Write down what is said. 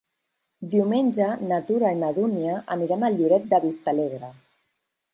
Diumenge na Tura i na Dúnia iran a Lloret de Vistalegre.